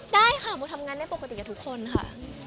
ได้ค่ะโมทำงานได้ปกติกับทุกคนค่ะ